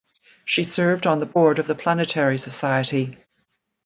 She served on the board of The Planetary Society.